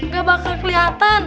gak bakal keliatan